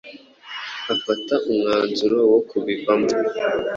afata umwanzuro wo kuyivamo